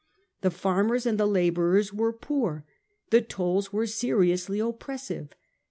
The farmers and the labourers were poor; the tolls were seriously oppressive.